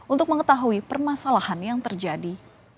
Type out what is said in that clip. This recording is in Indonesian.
untuk mengetahui permasalahan yang terjadi